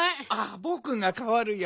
ぼくがかわるよ。